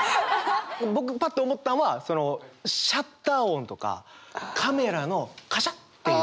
僕パッて思ったんはそのシャッター音とかカメラのカシャっていう。